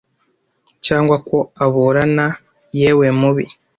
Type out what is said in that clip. cyangwa ko aburana yewe mubi